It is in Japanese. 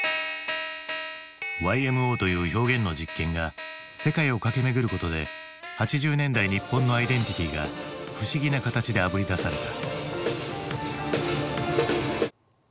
ＹＭＯという表現の実験が世界を駆け巡ることで８０年代日本のアイデンティティーが不思議な形であぶり出された。